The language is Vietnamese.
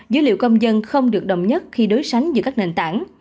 dữ liệu công dân không được đồng nhất khi đối sánh giữa các nền tảng